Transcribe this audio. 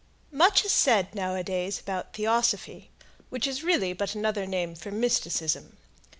Much is said nowadays about theosophy, which is really but another name for mysticism.